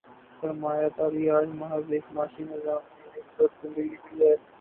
سرمایہ داری آج محض ایک معاشی نظام نہیں، ایک طرز زندگی بھی ہے۔